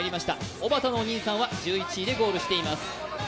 おばたのお兄さんは１１位でゴールしています。